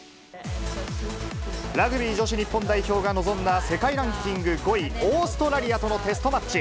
ラグビー女子日本代表が臨んだ世界ランキング５位、オーストラリアとのテストマッチ。